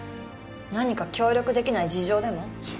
何か協力できない事情でも？